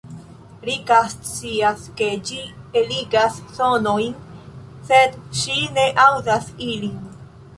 Rika scias, ke ĝi eligas sonojn, sed ŝi ne aŭdas ilin.